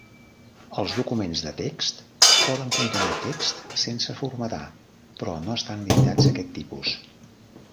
Els documents de text poden contenir text sense formatar, però no estan limitats a aquest tipus.